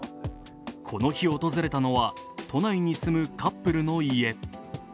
この日訪れたのは都内に住むカップルの家。